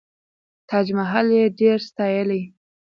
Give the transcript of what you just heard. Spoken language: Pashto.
تاج محل یې ډېر ستایلی.